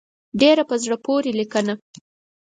ډېره په زړه پورې لیکنه.